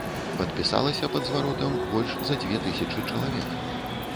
Падпісалася пад зваротам больш за дзве тысячы чалавек.